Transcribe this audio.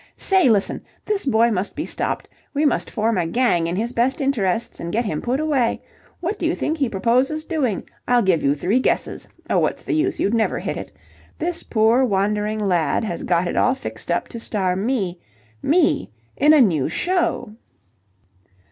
"Say, listen! This boy must be stopped. We must form a gang in his best interests and get him put away. What do you think he proposes doing? I'll give you three guesses. Oh, what's the use? You'd never hit it. This poor wandering lad has got it all fixed up to star me me in a new show!"